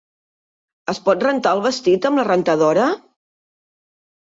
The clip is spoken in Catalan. Es pot rentar el vestit amb la rentadora?